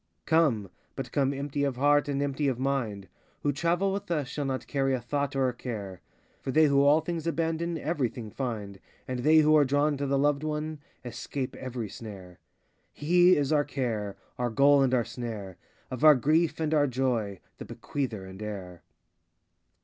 Come, but come empty of heart and empty of mind; Who travel with us shall not carry a thought or a care; For they who all things abandon, everything find, And they who are drawn to the loved One, escape every snare. He is our care, Our goal and our snare; Of our grief and our joy, The bequeather and heir.